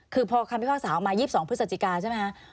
คือพอคำพิพากษาออกมา๒๒พฤศจิกาใช่ไหมคะ